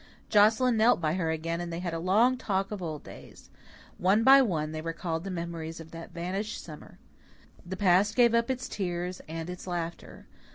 Joscelyn knelt by her again and they had a long talk of old days. One by one they recalled the memories of that vanished summer. The past gave up its tears and its laughter.